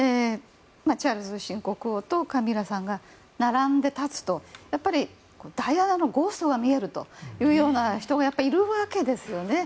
チャールズ新国王とカミラさんが並んで立つとダイアナのゴーストが見えるような人もいるわけですよね。